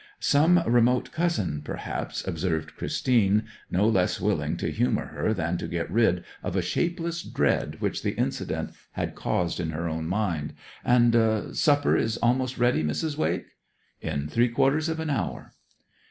'Some remote cousin, perhaps,' observed Christine, no less willing to humour her than to get rid of a shapeless dread which the incident had caused in her own mind. 'And supper is almost ready, Mrs. Wake?' 'In three quarters of an hour.'